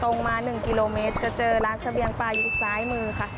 มา๑กิโลเมตรจะเจอร้านเสบียงปลาอยู่ซ้ายมือค่ะ